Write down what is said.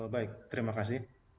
baik terima kasih